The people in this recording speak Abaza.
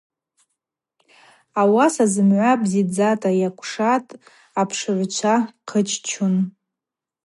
Ауаса зымгӏва бзидздзата йакӏвшатӏ, апшыгӏвчва хъыччун.